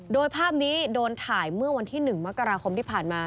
โดยภาพนี้โดนถ่ายเมื่อวันที่๑มกราคมที่ผ่านมา